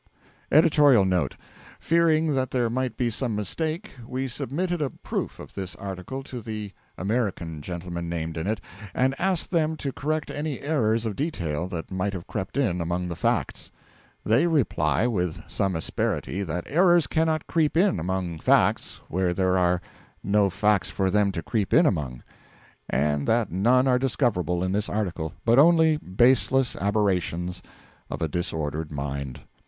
EDITORIAL NOTE Fearing that there might be some mistake, we submitted a proof of this article to the (American) gentlemen named in it, and asked them to correct any errors of detail that might have crept in among the facts. They reply with some asperity that errors cannot creep in among facts where there are no facts for them to creep in among; and that none are discoverable in this article, but only baseless aberrations of a disordered mind.